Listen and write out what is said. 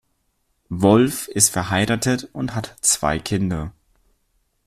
Wolf ist verheiratet und hat zwei Kinder.